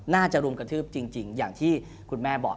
รุมกระทืบจริงอย่างที่คุณแม่บอก